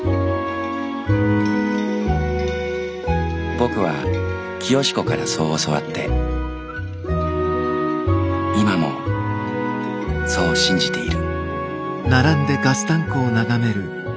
「僕はきよしこからそう教わって今もそう信じている」。